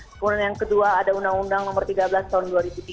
kemudian yang kedua ada undang undang nomor tiga belas tahun dua ribu tiga